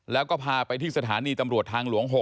แล้วก็พาไปที่สถานีตำรวจทางหลวง๖